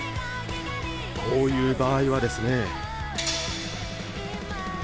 こういう場合はですね。